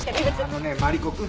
あのねマリコくん。